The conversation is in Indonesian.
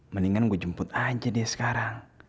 mendingan gue jemput aja dia sekarang